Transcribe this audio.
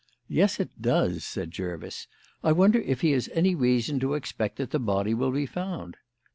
"Yes, it does," said Jervis. "I wonder if he has any reason to expect that the body will be found?